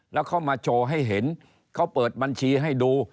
แล้วเขามาโชว์ให้เห็นเขาเปิดบัญชีให้ดู